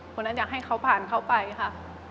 คนนั้นอยากให้เขาผ่านเขาไปค่ะ